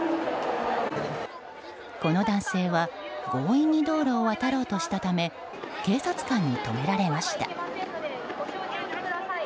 この男性は強引に道路を渡ろうとしたため警察官に止められました。